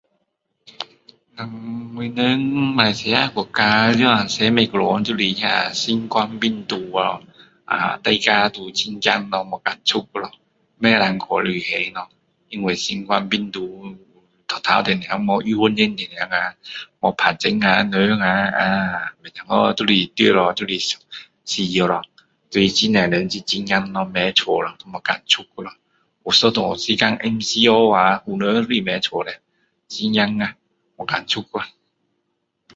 然后我们马来西亚国家这样前不久就是心冠病毒啊呃…大家都很怕咯不敢出去咯不能去旅行咯因为心冠病毒头头的时候没有预防针等下没打针啊人啊啊不小心就是中到就是死了咯所以就很多人很怕躲家里不敢出去咯有一段时间MCO啊每人就是躲家里啊很怕啊不敢出去啊